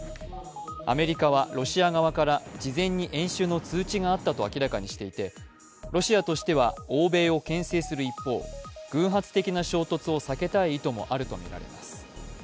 アメリカはロシア側から事前に演習の通知があったと明らかにしていてロシアとしては欧米をけん制する一方、偶発的な衝突を避けたい意図もあるとみられます。